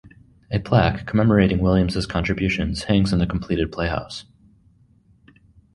A plaque commemorating Williams' contributions hangs in the completed playhouse.